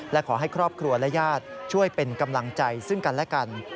และขอให้ครอบครัวและญาติช่วยเป็นกำลังใจซึ่งกันและกัน